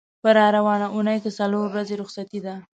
په را روانې اوونۍ کې څلور ورځې رخصتي ده.